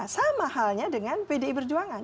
sama halnya dengan pdi perjuangan